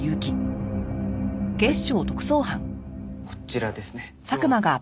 こちらですね。